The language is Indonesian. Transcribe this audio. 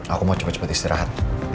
aku mau cepet cepet istirahat